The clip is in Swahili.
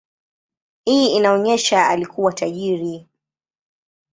Hii inaonyesha alikuwa tajiri.